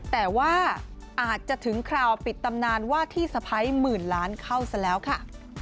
แต่ว่าอาจจะถึงคราวปิดตำนานว่าที่สะพ้ายหมื่นล้านเข้าซะแล้วค่ะ